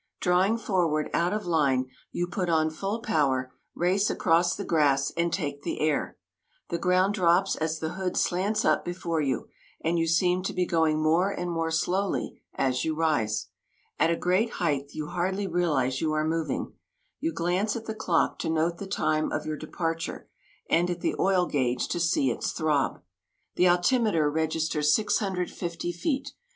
Drawing forward out of line, you put on full power, race across the grass and take the air. The ground drops as the hood slants up before you and you seem to be going more and more slowly as you rise. At a great height you hardly realize you are moving. You glance at the clock to note the time of your departure, and at the oil gauge to see its throb. The altimeter registers 650 feet.